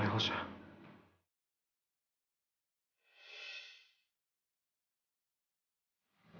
apaan sih raro